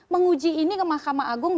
menguji ini ke mahkamah agung